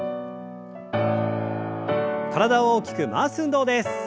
体を大きく回す運動です。